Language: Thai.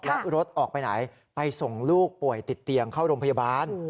และรถออกไปไหนไปส่งลูกป่วยติดเตียงเข้าโรงพยาบาล